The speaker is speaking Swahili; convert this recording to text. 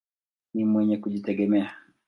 Ni mwenye kujitegemea.